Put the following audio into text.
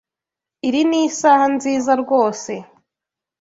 Iri ni isaha nziza rwose.